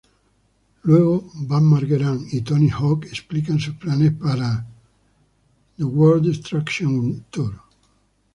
Luego, Bam Margera y Tony Hawk explican sus planes para el "World Destruction Tour".